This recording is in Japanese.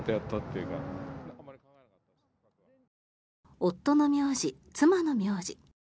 夫の名字、妻の名字。